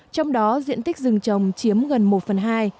trong đó diện tích rừng trồng chiếm gần một phần hai